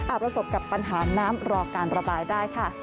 ประสบกับปัญหาน้ำรอการระบายได้ค่ะ